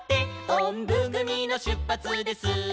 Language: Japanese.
「おんぶぐみのしゅっぱつです」